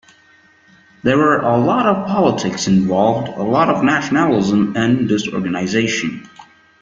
There were a lot of politics involved, a lot of nationalism and disorganization.